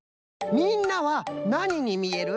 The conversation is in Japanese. みんなはなににみえる？